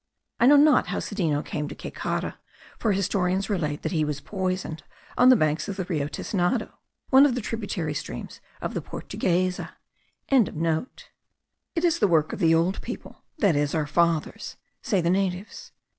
I know not how Sedeno came to Caycara; for historians relate that he was poisoned on the banks of the Rio Tisnado, one of the tributary streams of the Portuguesa.) It is the work of the old people (that is of our fathers), say the natives.